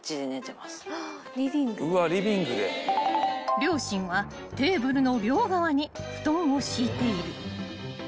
［両親はテーブルの両側に布団を敷いている］